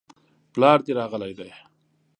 پلار دي راغلی دی؟